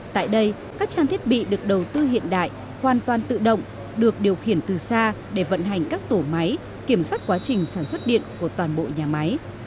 tại đây các trang thiết bị được đầu tư hiện đại hoàn toàn tự động được điều khiển từ xa để vận hành các tổ máy kiểm soát quá trình sản xuất điện của toàn bộ nhà máy